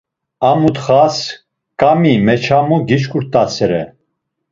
A mutxas ǩami meçamu gişǩut̆asere.